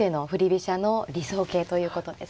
飛車の理想型ということですか。